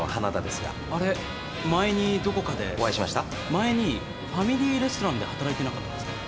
前にファミリーレストランで働いてなかったですか？